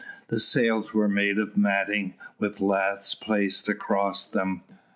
The sails were made of matting, with laths placed across them.